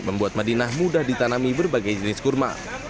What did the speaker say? membuat madinah mudah ditanami berbagai jenis kurma